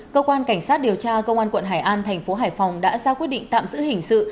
cơ quan cảnh sát điều tra công an quận hải an thành phố hải phòng đã ra quyết định tạm giữ hình sự